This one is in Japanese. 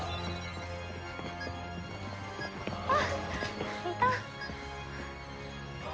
あっいた？